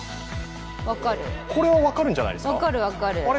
これは分かるんじゃないですか？